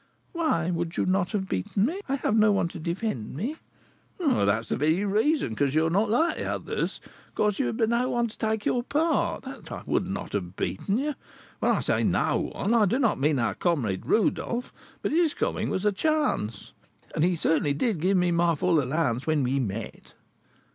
"Why, would you not have beaten me? I have no one to defend me." "That's the very reason, because you are not like the others, because you have no one to take your part, that I would not have beaten you. When I say no one, I do not mean our comrade Rodolph; but his coming was a chance, and he certainly did give me my full allowance when we met."